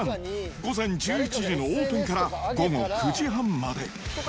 午前１１時のオープンから午後９時半まで。